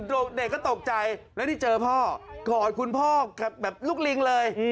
เด็กก็ตกใจแล้วได้เจอพ่อกอดคุณพ่อกับแบบลูกลิงเลย